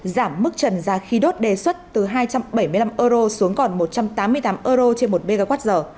giảm mức trần giá khí đốt đề xuất từ hai trăm bảy mươi năm euro xuống còn một trăm tám mươi tám euro trên một mwh